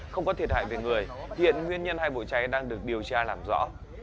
không có thiệt hại về người hiện nguyên nhân hai bộ cháy đang được điều tra làm rõ